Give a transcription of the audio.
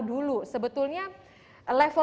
dulu sebetulnya level